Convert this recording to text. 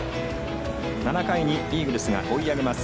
７回にイーグルスが追い上げます。